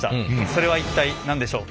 それは一体何でしょう？